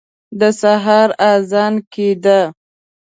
د سهار اذان کېده.